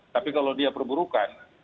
tapi kalau dia perburukan